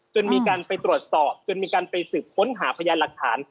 จนมีการไปตรวจสอบจนมีการไปสืบค้นหาพยานหลักฐาน